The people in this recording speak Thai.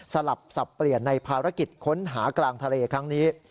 สลับสับเปลี่ยนในภารกิจค้นหากลางทะเลครั้งนี้